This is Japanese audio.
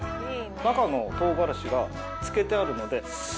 中の唐辛子が漬けてあるので。